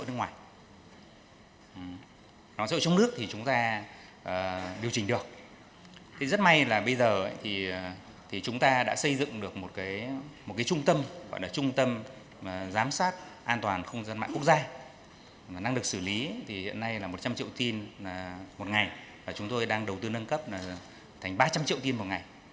năng lực xử lý thì hiện nay là một trăm linh triệu tin một ngày và chúng tôi đang đầu tư nâng cấp thành ba trăm linh triệu tin một ngày